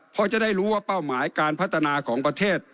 เพราะจะได้รู้ว่าเป้าหมายการพัฒนาของประเทศ